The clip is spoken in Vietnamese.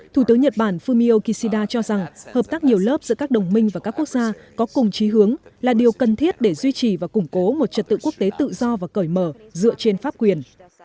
thủ tướng nhật bản fumio kishida cho rằng hợp tác nhiều lớp giữa các đồng minh và các quốc gia có cùng trí hướng là điều cần thiết để duy trì và củng cố một trật tự quốc tế tự do và cởi mở dựa trên pháp quyền